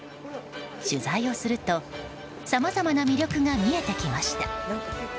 取材をするとさまざまな魅力が見えてきました。